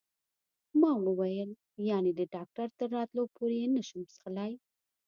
ما وویل: یعنې د ډاکټر تر راتلو پورې یې نه شم څښلای؟